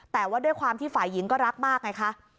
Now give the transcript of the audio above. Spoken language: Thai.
แต่ว่าด้วยความที่ฝ่ายหญิงก็รักมากไงคะ